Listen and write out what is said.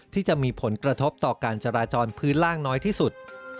ที่จะมีผลกระทบต่อการจราจรพื้นล่างน้อยที่สุด